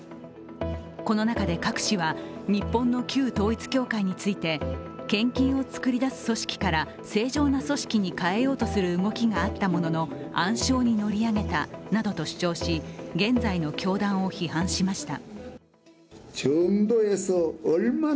この中でカク氏は日本の旧統一教会について献金を作り出す組織から正常な組織に変えようとする動きがあったものの、暗礁に乗り上げたなどと主張し現在の教団を批判しました。